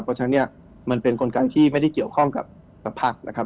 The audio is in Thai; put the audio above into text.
เพราะฉะนั้นเนี่ยมันเป็นกลไกที่ไม่ได้เกี่ยวข้องกับพักนะครับ